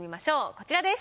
こちらです。